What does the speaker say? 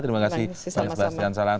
terima kasih bang sebastian salang